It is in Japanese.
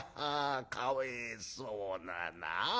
かわいそうだな。